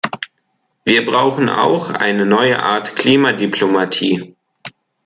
Wir brauchen auch eine neue Art Klimadiplomatie.